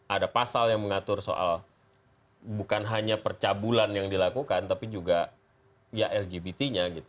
ada pasal yang mengatur soal bukan hanya percabulan yang dilakukan tapi juga ya lgbt nya gitu